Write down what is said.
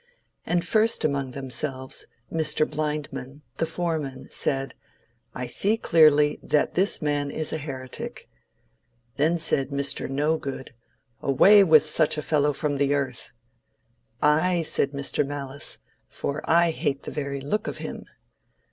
And first among themselves, Mr. Blindman, the foreman, said, I see clearly that this man is a heretic. Then said Mr. No good, Away with such a fellow from the earth! Ay, said Mr. Malice, for I hate the very look of him.